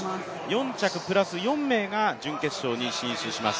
４着プラス４名が準決勝に進出します。